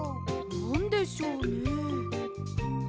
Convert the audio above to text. なんでしょうね？